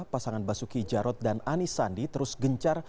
pasangan basuki jarod dan anis sandi terus gencar